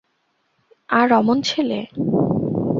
আর, অমন ছেলে!